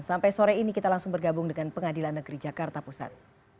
sampai sore ini kita langsung bergabung dengan pengadilan negeri jakarta pusat